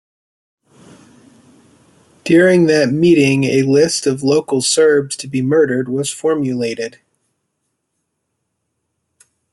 During that meeting a list of local Serbs to be murdered was formulated.